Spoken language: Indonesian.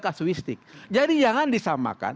kasuistik jadi jangan disamakan